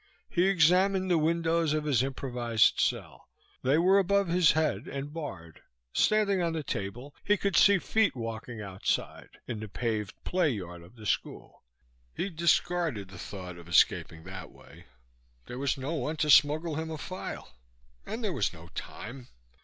He examined the windows of his improvised cell. They were above his head and barred; standing on the table, he could see feet walking outside, in the paved play yard of the school. He discarded the thought of escaping that way; there was no one to smuggle him a file, and there was no time.